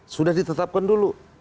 sudah ditetapkan dulu